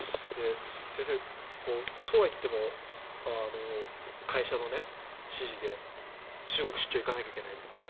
先生、そうはいっても会社の指示で中国出張行かなきゃいけないと。